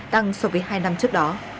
tăng so với hai năm trước đó